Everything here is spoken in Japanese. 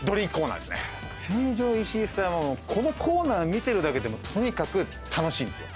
成城石井さんはこのコーナー見てるだけでもとにかく楽しいんですよ。